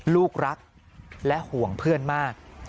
ลูกรักและห่วงเพื่อนมาก